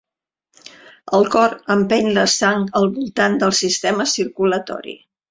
El cor empeny la sang al voltant del sistema circulatori.